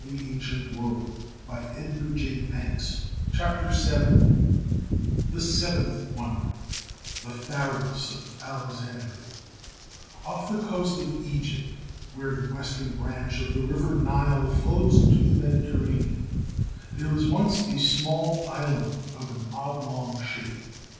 THE SEVENTH WONDER THe PHaros of Alexandria 167 THe PHaros of Alexandria OFF the coast of Egypt, where the western branch of the river Nile flows into the Mediterranean, there was once a small island of an oblong shape.